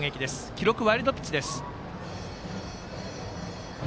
記録、ワイルドピッチです。